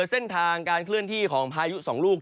เส้นทางการเคลื่อนที่ของพายุ๒ลูก